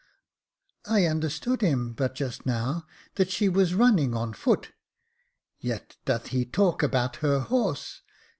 I understood him, but just now, that she was running on foot; yet doth he talk about her horse.